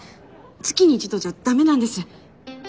月に１度じゃ駄目なんです。